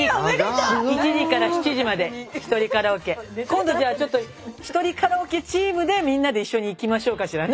今度じゃあ１人カラオケチームでみんなで一緒に行きましょうかしらね。